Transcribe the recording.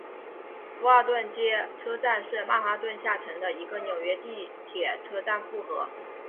福尔顿街车站是曼哈顿下城的一个纽约地铁车站复合。